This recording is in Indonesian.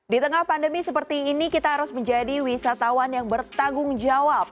di tengah pandemi seperti ini kita harus menjadi wisatawan yang bertanggung jawab